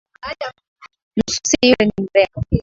Msusi yule ni mrembo.